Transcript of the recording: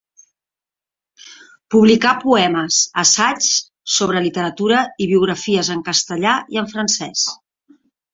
Publicà poemes, assaigs sobre literatura i biografies en castellà i en francés.